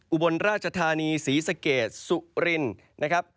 อุบลราชธานีศรีสะเกดสุรินนะครับ